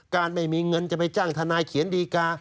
ไม่มีเงินจะไปจ้างทนายเขียนดีกา